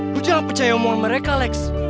gue jangan percaya omongan mereka lex